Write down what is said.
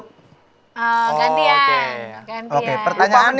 oke pertanyaannya nor gewernik ceritanya pertanyaannya